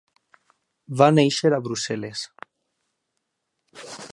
Va néixer a Brussel·les.